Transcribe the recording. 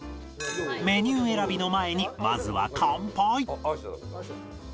メニュー選びの前にまずは乾杯